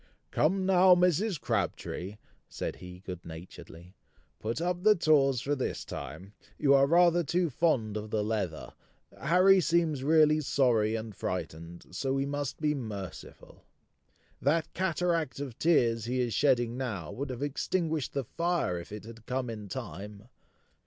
"Come now, Mrs. Crabtree," said he good naturedly; "put up the tawse for this time; you are rather too fond of the leather. Harry seems really sorry and frightened, so we must be merciful. That cataract of tears he is shedding now, would have extinguished the fire if it had come in time!